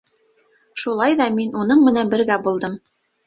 Шулай ҙа мин уның менән бергә булдым.